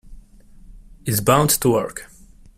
It's bound to work.